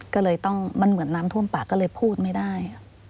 ก็เลยต้องมันเหมือนน้ำท่วมปากก็เลยพูดไม่ได้